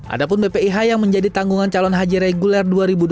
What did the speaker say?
adapun bpih yang menjadi tanggungan calon haji reguler dua ribu dua puluh empat